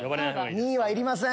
２位はいりません。